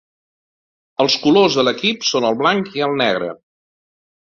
Els colors de l'equip són el blanc i el negre.